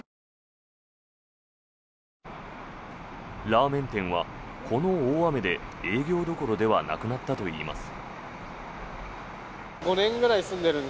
ラーメン店は、この大雨で営業どころではなくなったといいます。